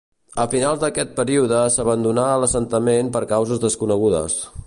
Al final d'aquest període s'abandonà l'assentament per causes desconegudes.